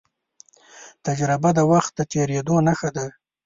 تجربه د وخت د تېرېدو نښه ده.